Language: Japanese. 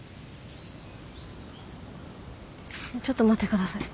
ちょっと待って下さい。